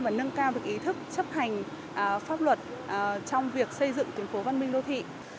và nâng cao được ý thức chấp hành pháp luật trong việc xây dựng tuyến phố văn minh đô thị